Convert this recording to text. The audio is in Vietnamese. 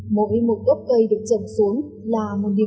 mỗi một gốc cây được trồng xuống là một nét đẹp